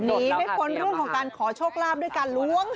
นี่เป็นฝนร่วมของการขอโชคลาภด้วยการล้วง